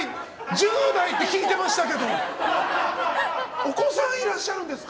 １０代って聞いてましたけどお子さんいらっしゃるんですか。